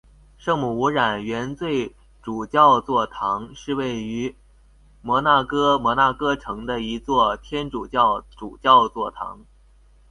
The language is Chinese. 圣母无染原罪主教座堂是位于摩纳哥摩纳哥城的一座天主教主教座堂。